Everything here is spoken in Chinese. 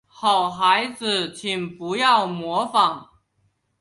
好孩子请不要模仿